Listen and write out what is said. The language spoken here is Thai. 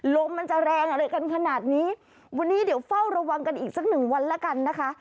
ลมมันจะแรงอะไรกันขนาดนี้วันนี้เดี๋ยวเฝ้าระวังกันอีกสักหนึ่งวันแล้วกันนะคะ